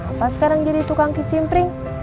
apa sekarang jadi tukang kicimpring